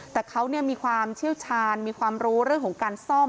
แต่เขามีความเชี่ยวชาญมีความรู้เรื่องของการซ่อม